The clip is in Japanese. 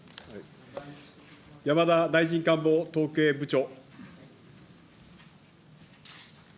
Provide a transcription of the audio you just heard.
山田大臣官房統計部長。